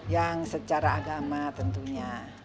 yang secara agama tentunya